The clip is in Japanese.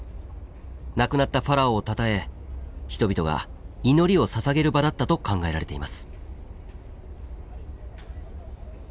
亡くなったファラオをたたえ人々が祈りをささげる場だったと考えられています。